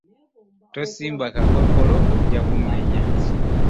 Tonsimba kakokola ogya kummenya.